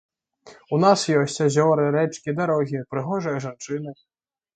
У нас ёсць азёры, рэчкі, дарогі, прыгожыя жанчыны.